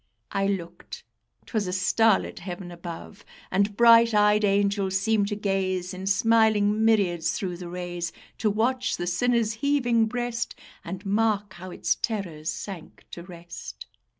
I looked; 'twas a starlit heaven above! And bright eyed angels seemed to gaze In smiling myriads through the rays; To watch the sinner's heaving breast, And mark how its terrors sank to rest.